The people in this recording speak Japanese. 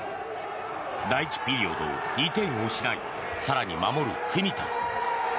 第１ピリオド、２点を失い更に守る文田。